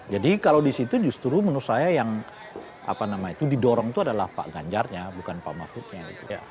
jadi kalau disitu justru menurut saya yang apa namanya itu didorong itu adalah pak ganjarnya bukan pak mahfudnya